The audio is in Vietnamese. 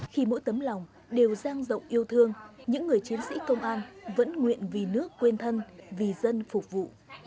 khi mỗi tấm lòng đều giang rộng yêu thương những người chiến sĩ công an vẫn nguyện vì nước quên thân vì dân phục vụ